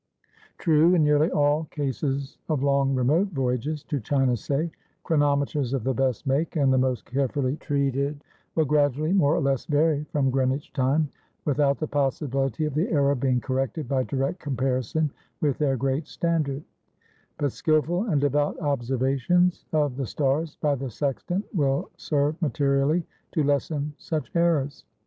True, in nearly all cases of long, remote voyages to China, say chronometers of the best make, and the most carefully treated, will gradually more or less vary from Greenwich time, without the possibility of the error being corrected by direct comparison with their great standard; but skillful and devout observations of the stars by the sextant will serve materially to lessen such errors.